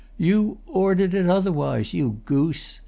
"You ordered it otherwise, you goose!"